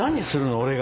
俺が。